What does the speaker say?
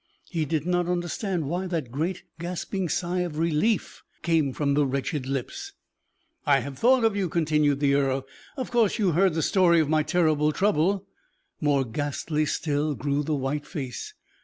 He did not understand why that great, gasping sigh of relief came from the wretched lips. "I have thought of you," continued the earl. "Of course you heard the story of my terrible trouble?" More ghastly still grew the white face.